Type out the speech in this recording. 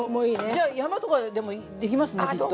じゃあ山とかでもできますねきっと。